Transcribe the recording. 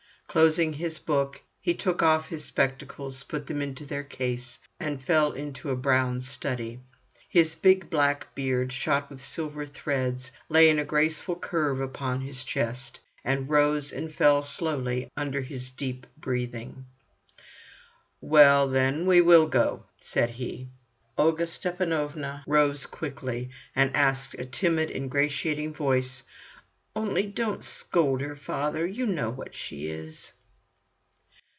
Closing his book, he took off his spectacles, put them into their case, and fell into a brown study. His big black beard, shot with silver threads, lay in a graceful curve upon his chest, and rose and fell slowly under his deep breathing. "Well, then, we will go!" said he. Olga Stepanovna rose quickly, and asked in a timid, ingratiating voice: "Only don't scold her, father! You know what she is."